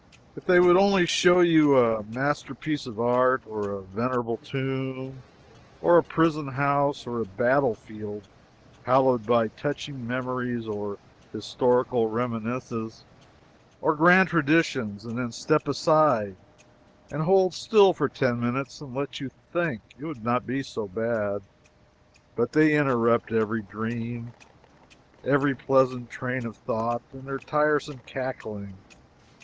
If they would only show you a masterpiece of art, or a venerable tomb, or a prison house, or a battle field, hallowed by touching memories or historical reminiscences, or grand traditions, and then step aside and hold still for ten minutes and let you think, it would not be so bad. But they interrupt every dream, every pleasant train of thought, with their tiresome cackling.